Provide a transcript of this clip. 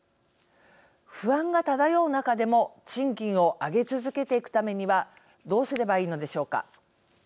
不安が漂う中でも賃金を上げ続けていくためにはどうすればいいのでしょうか。